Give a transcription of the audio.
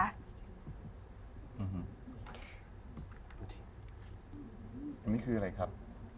อันนี้คืออะไรครับ